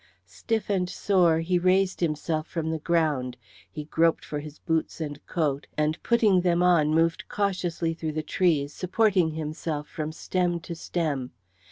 Stiff and sore, he raised himself from the ground, he groped for his boots and coat, and putting them on moved cautiously through the trees, supporting himself from stem to stem.